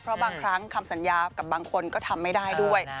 เพราะบางครั้งคำสัญญากับบางคนก็ทำไม่ได้ด้วย